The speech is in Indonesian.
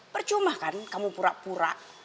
percuma kan kamu pura pura